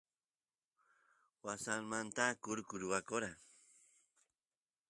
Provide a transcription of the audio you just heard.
wasampi kurku rwakora